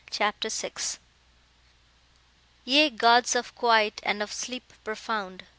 CHAPTER VI Ye gods of quiet, and of sleep profound!